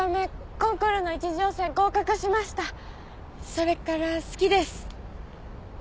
それから好きです。